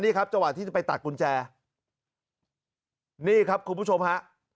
นี่ครับจังหวะที่จะไปตัดกุญแจนี่ครับคุณผู้ชมฮะ